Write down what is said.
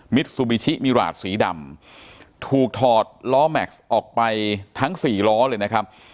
ซูบิชิมิราชสีดำถูกถอดล้อแม็กซ์ออกไปทั้งสี่ล้อเลยนะครับ